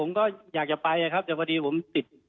ผมก็อยากจะไปครับแต่วุ่นดีว่าผมติด